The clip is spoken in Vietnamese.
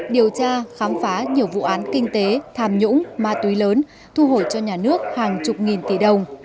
điều tra khám phá nhiều vụ án kinh tế tham nhũng ma túy lớn thu hổi cho nhà nước hàng chục nghìn tỷ đồng